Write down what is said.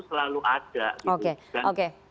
selalu ada oke oke